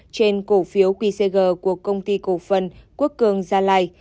trên cổ phiếu qcg của công ty cổ phần quốc cường gia lai